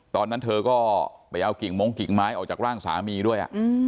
ตอนนั้นเธอก็ไปเอากิ่งมงกิ่งไม้ออกจากร่างสามีด้วย